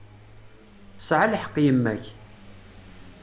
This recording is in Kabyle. Tesɛa lḥeqq yemma-k.